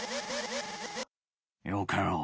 よかろう。